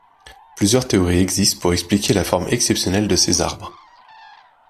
Plusieurs théories existent pour expliquer la forme exceptionnelle de ces arbres.